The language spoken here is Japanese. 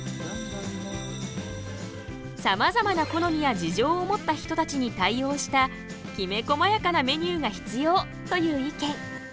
さまざまな好みや事情を持った人たちに対応したきめこまやかなメニューが必要という意見。